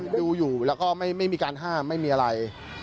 ดูอยู่แล้วก็ไม่มีการห้ามไม่มีอะไร